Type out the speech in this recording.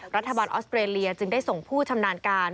ออสเตรเลียจึงได้ส่งผู้ชำนาญการ